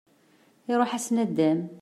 Iruḥ-as nnudam.